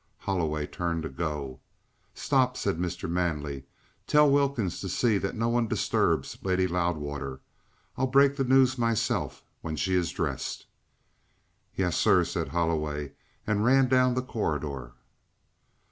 Holloway turned to go. "Stop!" said Mr. Manley. "Tell Wilkins to see that no one disturbs Lady Loudwater. I'll break the news myself when she is dressed." "Yes, sir," said Holloway, and ran down the corridor.